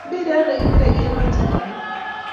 Mpiret ne kipire komache kenap